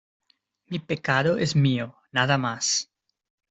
mi pecado es mío nada más.